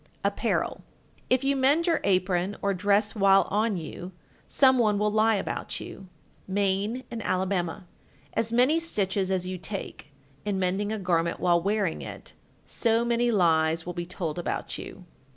_ APPAREL. 1376. If you mend your apron or dress while on you, some one will lie about you. Maine and Alabama. 1377. As many stitches as you take (in mending a garment while wearing it), so many lies will be told about you.